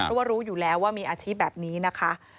เพราะว่ารู้อยู่แล้วว่ามีอาชีพแบบนี้นะคะ